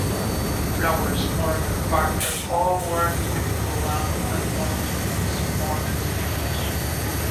Flowers, Morgan and Parker all worked with Coulam at London's Morgan Studios.